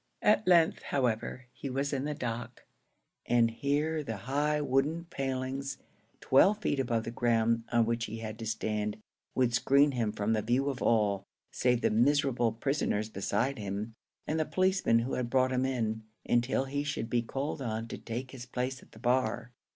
At length, however, he was in the dock, and here the high wooden palings, twelve feet above the ground on which he had to stand, would screen him from the view of all, save the miserable prisoners beside him and the policemen who had brought him in, until he should be called on to take his place at the bar.